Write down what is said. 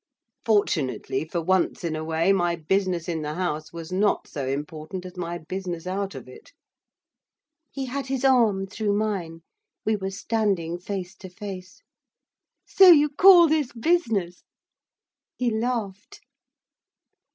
'Fortunately, for once in a way, my business in the House was not so important as my business out of it.' He had his arm through mine. We were standing face to face. 'So you call this business!' He laughed.